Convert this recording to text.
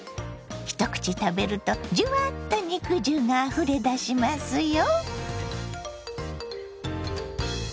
一口食べるとじゅわっと肉汁があふれ出しますよ。